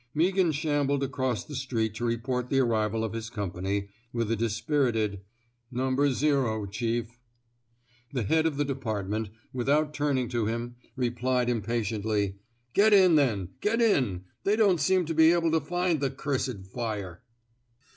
Meaghan shambled across the street to re port the arrival of his company, with a dis pirited '' No. 0, Chief.'' The head of the department, without turn ing to him, replied, impatiently: Get in, then. Get in. They don't seem to be able to find the cursed fire."